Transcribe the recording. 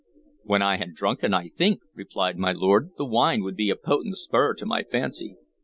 "When I had drunken, I think," replied my lord. "The wine would be a potent spur to my fancy."